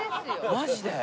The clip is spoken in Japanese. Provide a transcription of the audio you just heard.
マジで。